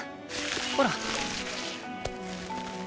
ほら。